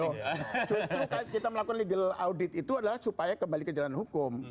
terus kita melakukan legal audit itu adalah supaya kembali ke jalan hukum